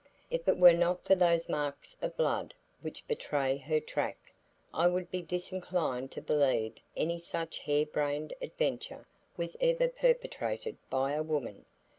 If it were not for those marks of blood which betray her track, I would be disinclined to believe any such hare brained adventure was ever perpetrated by a woman.